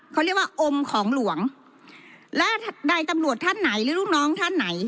เขาเรียกว่าอมของหลวงและใดตำรวจท่านไหนหรือลูกน้องท่านไหน